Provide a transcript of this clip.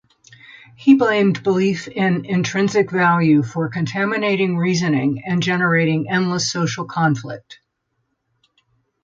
He blamed belief in intrinsic value for contaminating reasoning and generating endless social conflict.